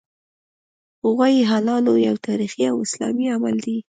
غوايي حلالول یو تاریخي او اسلامي عمل دی